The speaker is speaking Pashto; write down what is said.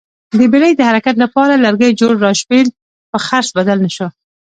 د بېړۍ د حرکت لپاره لرګیو جوړ راشبېل په څرخ بدل نه شو